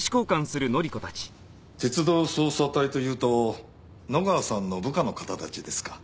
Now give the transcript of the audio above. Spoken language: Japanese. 鉄道捜査隊というと野川さんの部下の方たちですか？